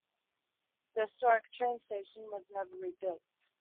The historic train station was never rebuilt.